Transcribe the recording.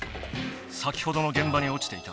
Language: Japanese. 先ほどの現場におちていた。